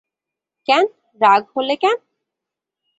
কেন রাগ হলে কেন?